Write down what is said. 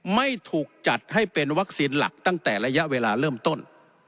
ไม่ถูกจัดให้เป็นวัคซีนหลักตั้งแต่ระยะเวลาเริ่มต้น